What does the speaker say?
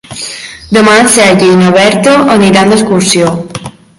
Demà en Sergi i na Berta aniran d'excursió.